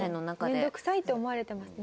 面倒くさいって思われてますね。